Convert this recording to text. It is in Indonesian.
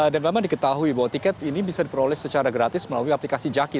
dan memang diketahui bahwa tiket ini bisa diperoleh secara gratis melalui aplikasi jaki